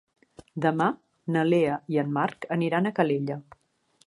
Demà na Lea i en Marc aniran a Calella.